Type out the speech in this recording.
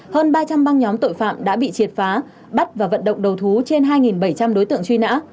hơn ba trăm linh băng nhóm tội phạm đã bị triệt phá bắt và vận động đầu thú trên hai bảy trăm linh đối tượng truy nã